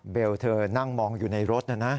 เธอนั่งมองอยู่ในรถนะนะ